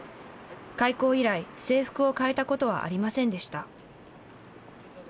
開校以来制服を変えたことはありませんでした。